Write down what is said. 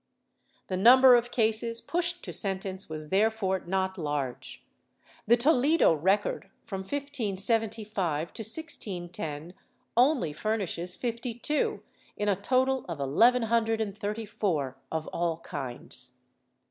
The number of cases pushed to sentence was therefore not large. The Toledo record, from 1575 to 1610, only furnishes fifty two in a total of eleven hundred and thirty four of all kinds.